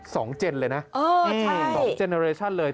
สองเจนเลยนะสองเจนเลอร์ชันเลยนะฮะค่ะ